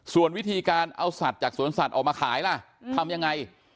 ส่วนวิธีการเอาสัตว์จากสวนสัตว์ออกมาขายล่ะทำยังไง